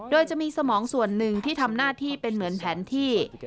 โดยจะมีสมองส่วนหนึ่งที่ทำหน้าที่เป็นเหมือนแผนที่